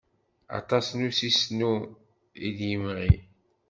Aṭas n usisnu i d-yemɣin.